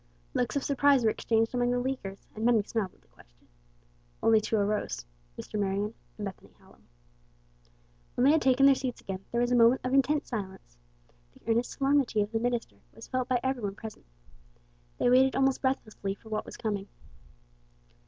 Looks of surprise were exchanged among the Leaguers, and many smiled at the question. Only two arose, Mr. Marion and Bethany Hallam. When they had taken their seats again there was a moment of intense silence. The earnest solemnity of the minister was felt by every one present. They waited almost breathlessly for what was coming.